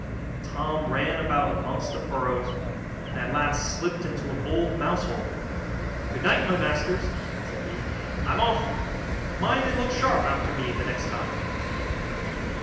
But Tom ran about amongst the furrows, and at last slipped into an old mouse hole. 'Good night, my masters!' said he, 'I'm off! mind and look sharp after me the next time.